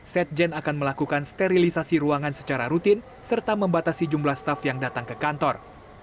setjen akan melakukan sterilisasi ruangan secara rutin serta membatasi jumlah staff yang datang ke kantor